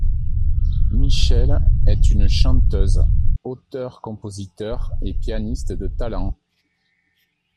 Michelle est une chanteuse, auteur-compositeur et pianiste de talent.